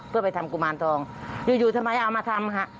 เพื่อไปทำกุมารทองอยู่อยู่ทำไมเอามาทำค่ะ